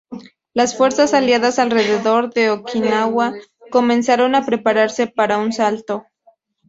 Las fuerzas Aliadas alrededor de Okinawa comenzaron a preparase para un asalto.